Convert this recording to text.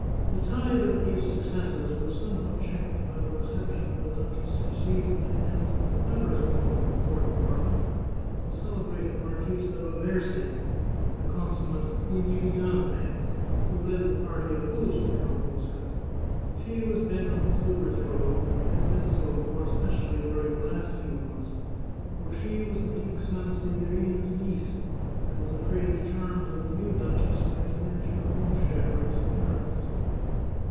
The tide of these successes was somewhat checked by the reception the duchess received at the hands of the clev erest woman at the court of Parma, the celebrated Mar chesa Raversi, a consummate intrigante, who led the party opposed to Count Mosca. She was bent on his overthrow, and had been so more especially during the last few months, for she was the Duke Sanseverina's niece, and was afraid the charms of the new duchess might diminish her own share of his inheritance.